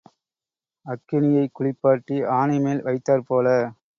அக்கினியைக் குளிப்பாட்டி ஆனைமேல் வைத்தாற் போல,